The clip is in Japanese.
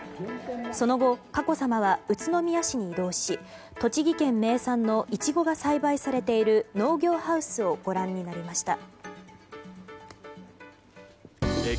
その後、佳子さまは宇都宮市に移動し栃木県名産のイチゴが栽培されている農業ハウスをご覧になりました。